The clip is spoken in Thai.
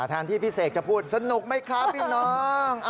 แทนที่พี่เสกจะพูดสนุกไหมคะพี่น้อง